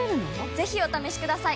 ぜひお試しください！